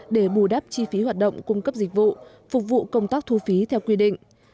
để bù đắp chi phí hoạt động cung cấp dịch vụ phục vụ công tác thu phí theo quy định